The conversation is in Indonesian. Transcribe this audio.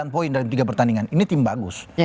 sembilan poin dalam tiga pertandingan ini tim bagus